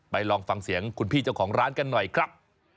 ลองฟังเสียงคุณพี่เจ้าของร้านกันหน่อยครับ